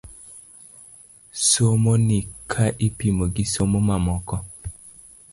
Somoni ka ipimo gi somo mamoko .